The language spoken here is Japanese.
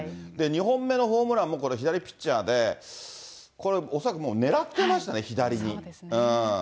２本目のホームランも、これ、左ピッチャーで、これ、恐らくもう狙ってましたね、左に。